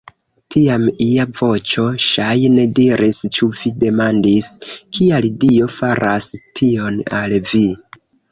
Tiam ia voĉo ŝajne diris: Ĉu vi demandis, kial Dio faras tion al vi?